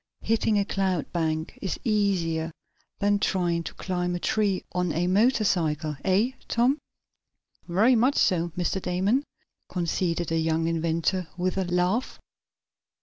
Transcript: Hitting a cloud bank is easier than trying to climb a tree on a motorcycle, eh, Tom?" "Very much so, Mr. Damon," conceded the young inventor, with a laugh.